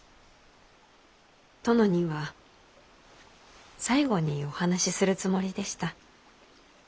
殿には最後にお話しするつもりでした。